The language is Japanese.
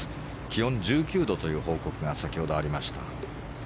気温１９度という報告が先ほどありました。